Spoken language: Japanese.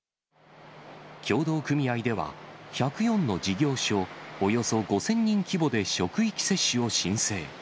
協同組合では、１０４の事業所、およそ５０００人規模で職域接種を申請。